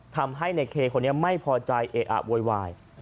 ทำให้ในเคคนนี้ไม่พอใจเออะโวยวาย